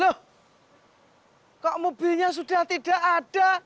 loh kok mobilnya sudah tidak ada